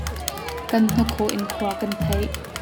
Kan hnakhaw in khua kan theih.